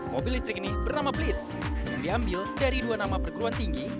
mobil listrik ini bernama blitz yang diambil dari dua nama perguruan tinggi